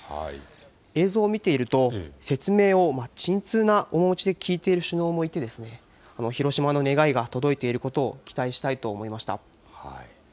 映像を見ていると説明を沈痛な面持ちで聞いている首脳もいて広島の願いが届いていることを期待したいと思いました。